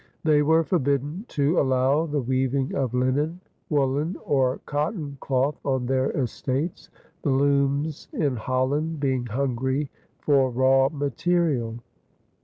They were forbidden to allow the weaving of linen, woolen, or cotton cloth on their estates, the looms in Holland being hungry for raw material.